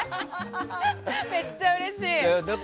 めっちゃうれしい。